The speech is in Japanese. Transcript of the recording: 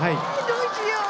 どうしよう。